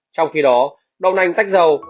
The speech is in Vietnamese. trong khi đó đậu nành tách dầu